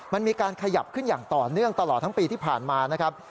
มันมีการขยับขึ้นอย่างต่อเนื่องตลอดทั้งปีที่ผ่านมานะครับ